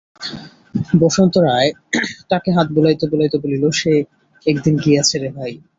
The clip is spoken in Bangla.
বসন্ত রায় টাকে হাত বুলাইতে বুলাইতে বলিলেন, সে একদিন গিয়াছে রে ভাই।